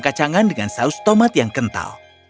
kacangan yang terbuat dengan saus tomat yang kental